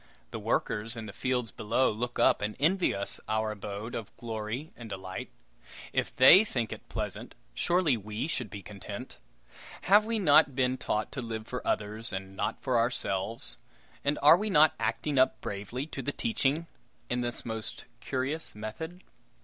The workers in the fields below look up and envy us our abode of glory and delight! If they think it pleasant, surely we should be content. Have we not been taught to live for others and not for ourselves, and are we not acting up bravely to the teaching in this most curious method?